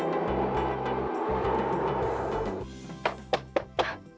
saya akan ioniskan